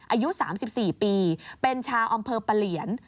อายุ๓๔ปีเป็นชาวอำเภอปะเหลียน